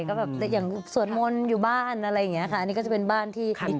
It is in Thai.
เก่บสวนมนตร์อยู่บ้านอะไรกันมันก็จะเป็นบ้านที่